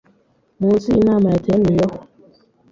munsi inama yateraniyeho.